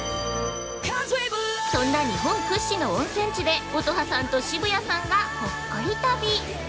そんな日本屈指の温泉地で乙葉さんと渋谷さんがほっこり旅。